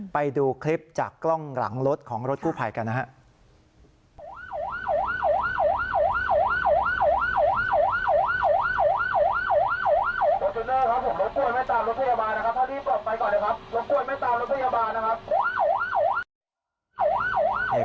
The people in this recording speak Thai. ไปดูคลิปจากกล้องหลังรถของรถกู้ภัยกันนะครับ